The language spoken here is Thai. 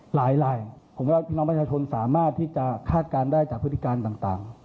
หลายผมว่าน้องประชาชนสามารถที่จะคาดการณ์ได้จากพฤติการต่าง